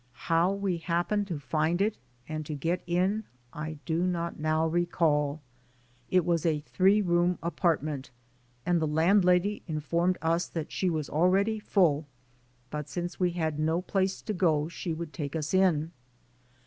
How we happened to find it and to get in I do not now recall. It was a "three room apartment*' and the landlady informed us that she was already "full," but since we had no place to go, she would take us in.